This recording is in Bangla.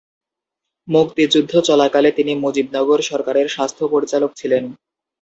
মুক্তিযুদ্ধ চলাকালে তিনি মুজিবনগর সরকারের স্বাস্থ্য পরিচালক ছিলেন।